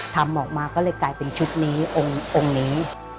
ทำออกมาก็เลยกลายเป็นชุดนี้องค์นี้